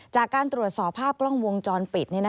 จากการตรวจสอบภาพกล้องวงจรปิด